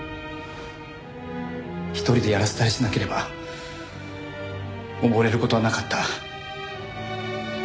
１人でやらせたりしなければ溺れる事はなかった。